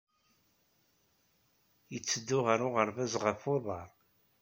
Yetteddu ɣer uɣerbaz ɣef uḍar.